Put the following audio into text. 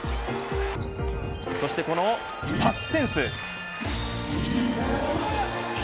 そしてこのパスセンス。